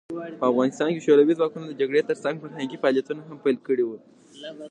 په افغانستان کې شوروي ځواکونه د جګړې ترڅنګ فرهنګي فعالیتونه هم پیل کړي وو.